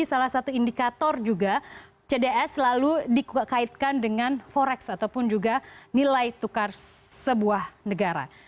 salah satu indikator juga cds selalu dikaitkan dengan forex ataupun juga nilai tukar sebuah negara